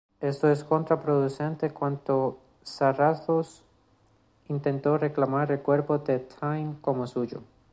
Esto es contraproducente cuando Zarathos intentó reclamar el cuerpo de Tyne como suyo.